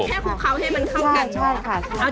ให้พวกเขาให้มันเข้ากัน